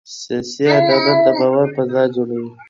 سیاسي عدالت د باور فضا جوړوي